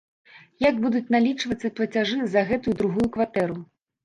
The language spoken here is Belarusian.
Як будуць налічвацца плацяжы за гэтую другую кватэру?